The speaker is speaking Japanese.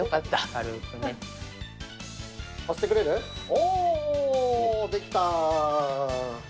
おおできた！